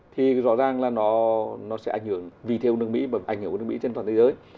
thì rõ ràng là nó sẽ ảnh hưởng vì thế của nước mỹ và ảnh hưởng của nước mỹ trên toàn thế giới